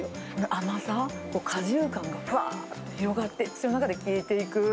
甘さ、果汁感がふわーって広がって、口の中で消えていく。